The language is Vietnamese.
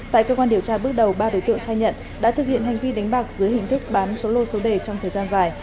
tại cơ quan điều tra bước đầu ba đối tượng khai nhận đã thực hiện hành vi đánh bạc dưới hình thức bán số lô số đề trong thời gian dài